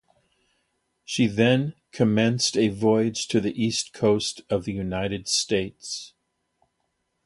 She then commenced a voyage to the east coast of the United States.